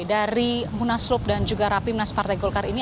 dari munaslup dan juga rapim naspartai golkar ini